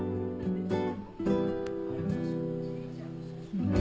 うん。